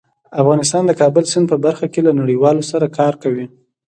افغانستان د کابل سیند په برخه کې له نړیوالو سره کار کوي.